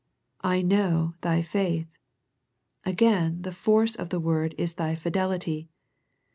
" I know ... thy faith." Again the force of the word is thy fidelity.